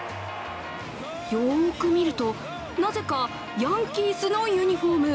よく見ると、なぜかヤンキースのユニフォーム。